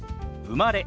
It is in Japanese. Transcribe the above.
「生まれ」。